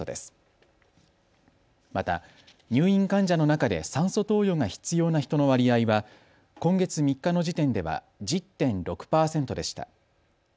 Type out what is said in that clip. また入院患者の中で酸素投与が必要な人の割合は今月３日の時点では１０．６％でした。